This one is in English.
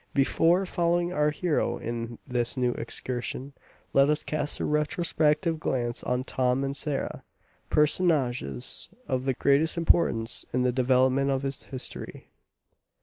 Before following our hero in this new excursion, let us cast a retrospective glance on Tom and Sarah, personages of the greatest importance in the development of this history.